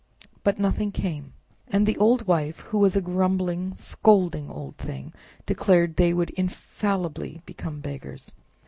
But nothing came, and the old Wife, who was a grumbling, scolding old thing, declared they would infallibly become beggars.